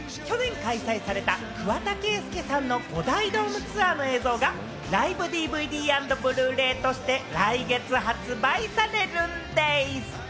去年開催された桑田佳祐さんの５大ドームツアーの映像がライブＤＶＤ＆Ｂｌｕ−ｒａｙとして、来月発売されるんでぃす。